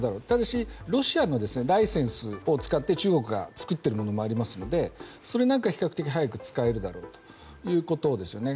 ただロシアのライセンスを使って中国が作っているものもあるのでそれなんかは比較的に早く使えるだろうと思います。